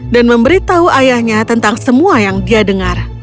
dan memberitahu ayahnya tentang semua yang dia dengar